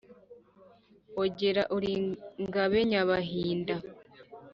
ogera uri ingabe nyabahinda!